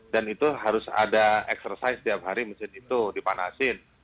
dan itu harus ada eksersis setiap hari mesin itu dipanasin